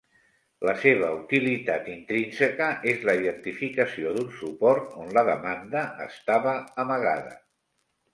La seva utilitat intrínseca és la identificació d'un suport on la demanda estava amagada.